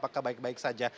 apakah baik baik saja